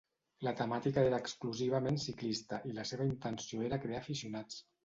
La temàtica era exclusivament ciclista i la seva intenció era crear aficionats.